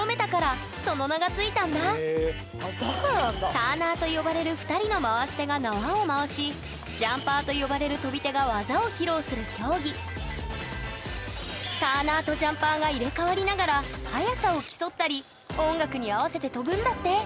「ターナー」と呼ばれる２人の回し手が縄を回し「ジャンパー」と呼ばれる跳び手が技を披露する競技速さを競ったり音楽に合わせて跳ぶんだって！